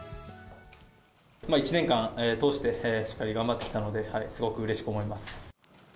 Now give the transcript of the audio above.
１年間通して、しっかり頑張ってきたので、すごくうれしく思います。